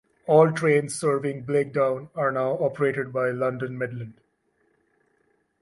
All trains serving Blakedown are now operated by London Midland.